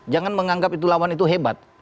jangan menganggap itu lawan itu hebat